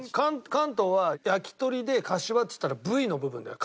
関東は焼き鳥でかしわっつったら部位の部分だよ。